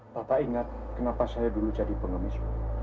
bapak ingat kenapa saya dulu jadi pengemis